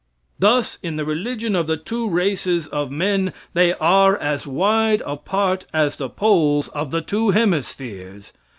Thus in the religion of the two races of men, they are as wide apart as the poles of the two hemispheres.